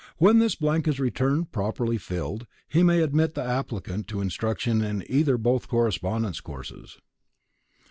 When this blank is returned properly filled, he may admit the applicant to instruction in either or both correspondence courses.